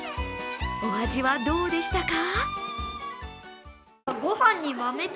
お味はどうでしたか？